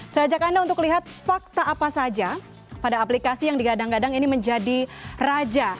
saya ajak anda untuk lihat fakta apa saja pada aplikasi yang digadang gadang ini menjadi raja